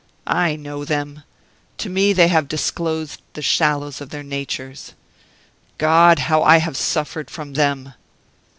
I know them. To me they have disclosed the shallows of their natures. God! how I have suffered from them!"